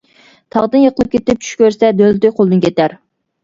تاغدىن يىقىلىپ كېتىپ چۈش كۆرسە دۆلىتى قولدىن كېتەر.